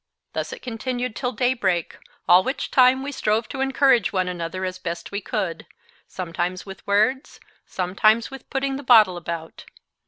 Thus it continued till daybreak, all which time we strove to encourage one another as best we could, sometimes with words, sometimes with putting the bottle about.